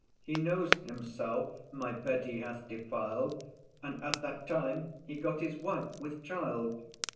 He knows himself my bed he hath defil'd; And at that time he got his wife with child.